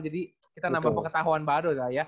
jadi kita nambah pengetahuan baru